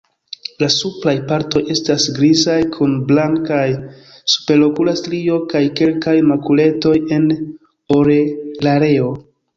La supraj partoj estas grizaj kun blankaj superokula strio kaj kelkaj makuletoj en orelareo.